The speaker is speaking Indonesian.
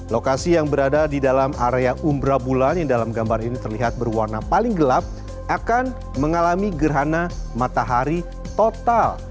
lokasi yang berada di dalam area umbra bulan yang dalam gambar ini terlihat berwarna paling gelap akan mengalami gerhana matahari total